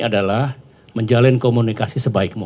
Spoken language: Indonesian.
adalah menjalin komunikasi